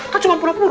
kan cuma pura pura